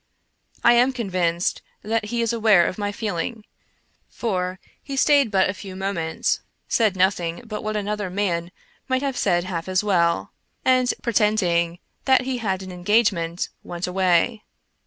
I am convinced that he is aware of my feeling, for he stayed but a few moments, said nothing but what another man might have said half as well, and pretending that he had an engagement went away.